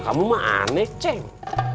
kamu mah aneh cek